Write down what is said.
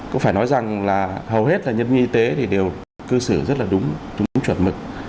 có phải nói rằng là hầu hết là nhân viên y tế thì đều cư xử rất là đúng chuẩn mực